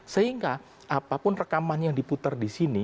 sehingga apapun rekaman yang di putar di sini